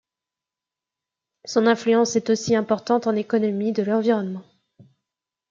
Son influence est aussi importante en économie de l'environnement.